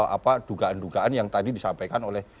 apa dugaan dugaan yang tadi disampaikan oleh